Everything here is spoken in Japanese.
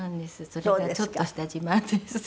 それがちょっとした自慢です。